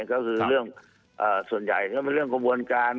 ก็คือเรื่องส่วนใหญ่ก็เป็นเรื่องกระบวนการ